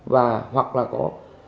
và hoặc là có